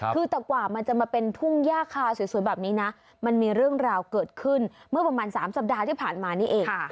คือแต่กว่ามันจะมาเป็นทุ่งย่าคาสวยแบบนี้นะมันมีเรื่องราวเกิดขึ้นเมื่อประมาณ๓สัปดาห์ที่ผ่านมานี่เอง